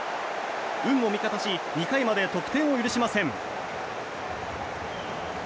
運も味方し２回まで得点を許しません。